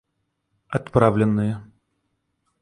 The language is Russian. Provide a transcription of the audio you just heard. Отправленные